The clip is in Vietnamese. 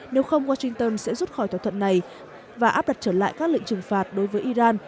nếu không washington sẽ rút khỏi thỏa thuận này và áp đặt trở lại các lệnh trừng phạt đối với iran